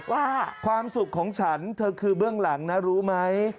ความสุขของฉันเธอคือเบื้องหลังนะรู้ไหม